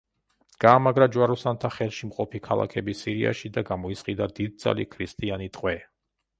გაამაგრა ჯვაროსანთა ხელში მყოფი ქალაქები სირიაში და გამოისყიდა დიდძალი ქრისტიანი ტყვე.